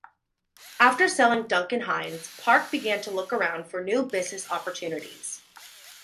After selling Duncan Hines, Park began to look around for new business opportunities.